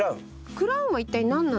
クラウンは一体何なんですか？